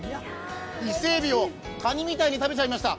伊勢エビをカニみたいに食べちゃいました。